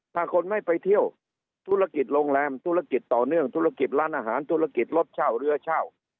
ถ้าคนไม่ไปเที่ยวธุรกิจโรงแรมธุรกิจต่อเนื่องธุรกิจร้านอาหารธุรกิจรถเช่าเรือเช่า